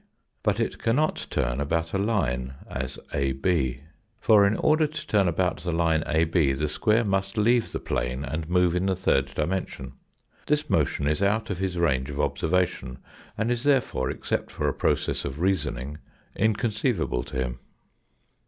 But it cannot turn about a line, as AB. For, in order to turn about the line AB, the square must leave the plane and move in the third dimension. This "& motion is out of his range of observa tion, and is therefore, except for a process of reasoning, inconceivable to him.